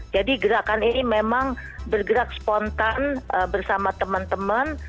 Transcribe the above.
jadi gerakan ini memang bergerak spontan bersama teman teman